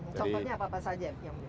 contohnya apa apa saja yang boleh